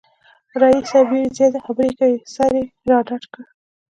رییس صاحب ډېرې زیاتې خبری کوي، سر یې را ډډ کړ